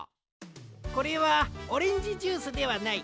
これはオレンジジュースではない。